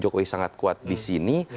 jokowi sangat kuat disini